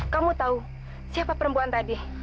kamu tahu siapa perempuan tadi